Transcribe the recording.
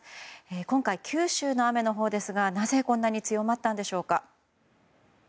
今回、九州のほうの雨ですがなぜ、こんなに強まったんでしょうか。